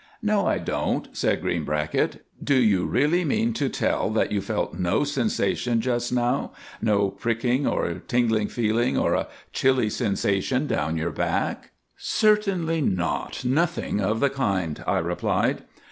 "No I don't," said Greenbracket, "do you really mean to tell that you felt no sensation just now, no pricking or tingling feeling, or a chilly sensation down your back?" "Certainly not, nothing of the kind," I replied.